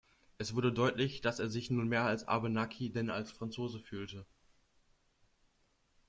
Es wurde deutlich, dass er sich nun mehr als Abenaki denn als Franzose fühlte.